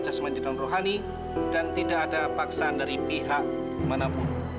jasman dan rohani dan tidak ada paksaan dari pihak manapun